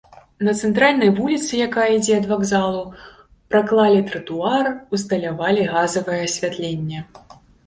На цэнтральнай вуліцы, якая ідзе ад вакзалу, праклалі тратуар, ўсталявалі газавае асвятленне.